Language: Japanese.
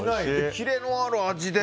キレのある味で。